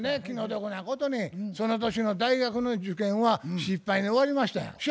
気の毒なことにその年の大学の受験は失敗に終わりましたんや。